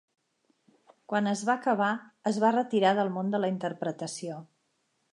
Quan es va acabar, es va retirar del món de la interpretació.